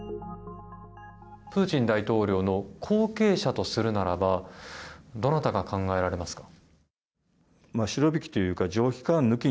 プーチン大統領の後継者とするならばどなたが考えられますか。